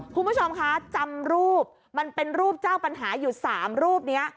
คุณผู้ชมคะจำรูปมันเป็นรูปเจ้าปัญหาอยู่๓รูปนี้